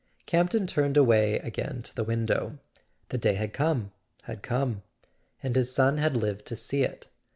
Campton turned away again to the window. The day had come—had come; and his son had lived to see it.